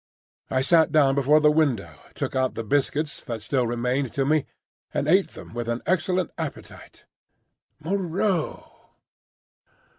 I sat down before the window, took out the biscuits that still remained to me, and ate them with an excellent appetite. Moreau!